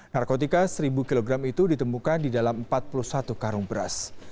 narkotika seribu kg itu ditemukan di dalam empat puluh satu karung beras